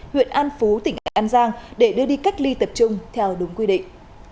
huyện an phú tỉnh an giang để đưa đi cách ly tập trung theo đúng quy định